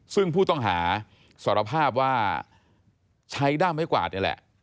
ซึ่งผู้ต้องหาสารภาพว่าใช้ด้ามไม้กวาดนี่แหละ